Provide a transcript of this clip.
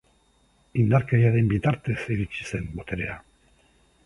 Indarkeriaren bitartez iritsi zen boterera.